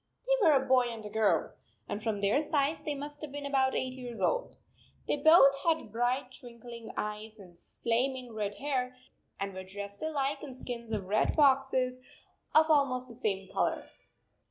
They were a boy and a girl, and from their size they must have been about eight years old. They both had bright twinkling eyes and flaming red hair, and were dressed alike in skins of red foxes of almost the same color.